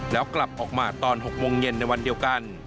แล้วกลับออกมาตอน๖โมงเย็นในวันเดียวกัน